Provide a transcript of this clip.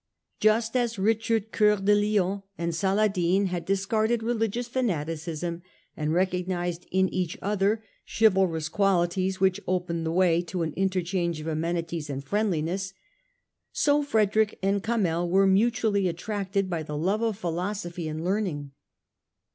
Just as Richard Cceur de Lion and Saladin had discarded religious fanaticism and recognised in each other chivalrous qualities which open the way to an interchange of amenities and friendliness, so Frederick and Kamel were mutually attracted by the love of philosophy and learning.